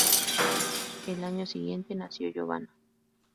Al año siguiente, nació Giovanna.